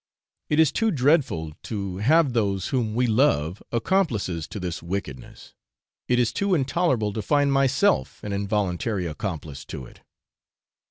It is too dreadful to have those whom we love accomplices to this wickedness; it is too intolerable to find myself an involuntary accomplice to it.